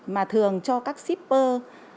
mà thường cho các shipper